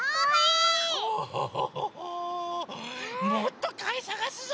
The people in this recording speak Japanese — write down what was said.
もっとかいさがすぞ！